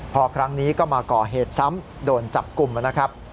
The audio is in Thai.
พอครั้งนี้ก็มาก่อเหตุซ้ำโดนจับกลุ่มนะครับ